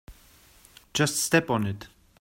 Just step on it.